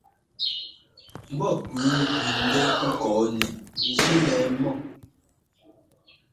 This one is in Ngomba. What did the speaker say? Ḿbɔ́ pʉ́ʉ gʉ ńdɛ́ ŋkɔɔnɛ njí lɛɛ mɔ́.